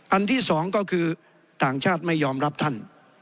อันที่สองก็คือต่างชาติไม่ยอมรับท่าน